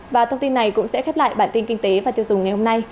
và thông tin này cũng sẽ khép lại bản tin kinh tế và tiêu dùng ngày hôm nay